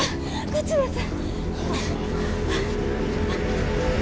こっちです！